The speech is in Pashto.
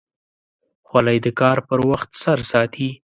خولۍ د کار پر وخت سر ساتي.